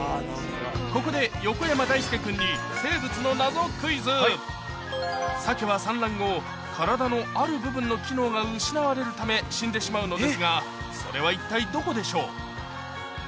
ここで横山だいすけ君にサケは産卵後体のある部分の機能が失われるため死んでしまうのですがそれは一体どこでしょう？